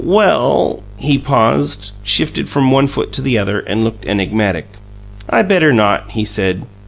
"Well " He paused, shifted from one foot to the other, and looked enigmatic. "I better not," he said.